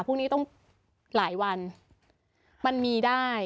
พรุ่งนี้ต้องหลายวันมันมีได้